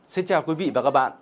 xin chào quý vị và các bạn